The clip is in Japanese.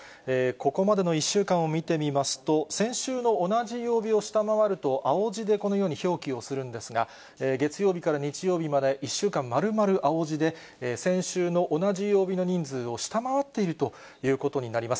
ここまでの１週間を見てみますと、先週の同じ曜日を下回ると、青字で、このように表記をするんですが、月曜日から日曜日まで１週間まるまる青字で、先週の同じ曜日の人数を下回っているということになります。